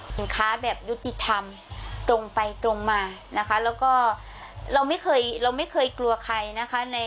สินค้าแบบยุติธรรมตรงไปตรงมานะคะแล้วก็เราไม่เคยเราไม่เคยกลัวใครนะคะ